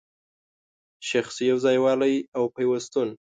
شخصي یو ځای والی او پیوستون